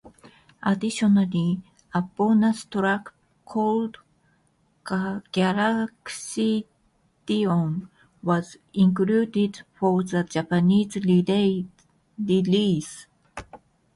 Additionally, a bonus track called "Galaxidion" was included for the Japanese release.